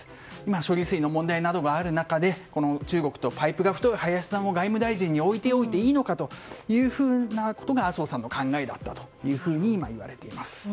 処理水の問題などがある中で中国とのパイプが太い林さんを外務大臣に置いておいていいのかというそれが麻生さんの考えだったといわれています。